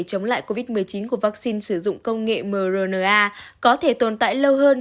chống lại covid một mươi chín của vaccine sử dụng công nghệ mrna có thể tồn tại lâu hơn